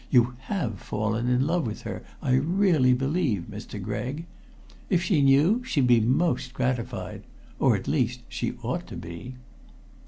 You have fallen in love with her, I really believe, Mr. Gregg. If she knew, she'd be most gratified or at least, she ought to be."